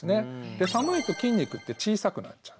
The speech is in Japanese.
で寒いと筋肉って小さくなっちゃう。